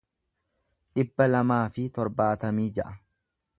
dhibba lamaa fi torbaatamii ja'a